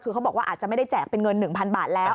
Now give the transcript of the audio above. คือเขาบอกว่าอาจจะไม่ได้แจกเป็นเงิน๑๐๐บาทแล้ว